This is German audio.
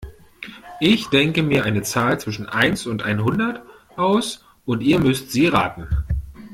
Ich denke mir eine Zahl zwischen eins und einhundert aus und ihr müsst sie raten.